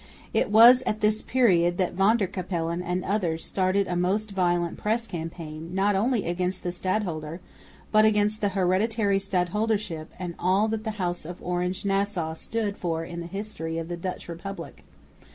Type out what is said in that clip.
It was at this period that Van der Capellen and others started a most violent press campaign not only against the stadholder, but against the hereditary stadholdership and all that the house of Orange Nassau stood for in the history of the Dutch Republic.